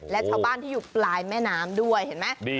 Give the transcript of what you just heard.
และชาวบ้านที่อยู่ปลายแม่น้ำด้วยเห็นไหม